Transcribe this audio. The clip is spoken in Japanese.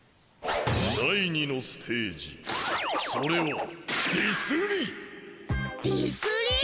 第２のステージそれはディスり！？